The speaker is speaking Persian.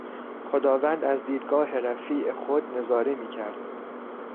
خداوند از دیدگاه رفیع خود نظاره میکرد.